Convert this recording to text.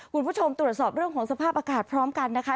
คุณผู้ชมตรวจสอบเรื่องของสภาพอากาศพร้อมกันนะคะ